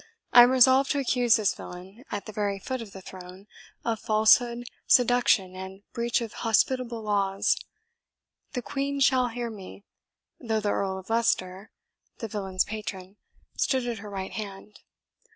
"I am resolved to accuse this villain, at the very foot of the throne, of falsehood, seduction, and breach of hospitable laws. The Queen shall hear me, though the Earl of Leicester, the villain's patron, stood at her right hand."